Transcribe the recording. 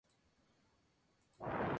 Se administra por vía oral.